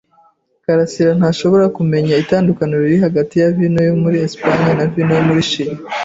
karasira ntashobora kumenya itandukaniro riri hagati ya vino yo muri Espagne na vino yo muri Chili.